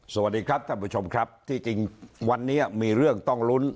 สวัสดีครับท่านผู้ชมครับที่จริงวันนี้มีเรื่องต้องลุ้น